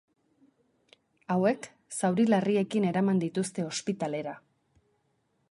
Hauek, zauri larriekin eraman dituzte ospitalera.